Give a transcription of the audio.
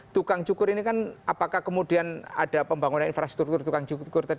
tukang cukur ini kan apakah kemudian ada pembangunan infrastruktur tukang cukur